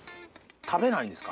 食べないんですか？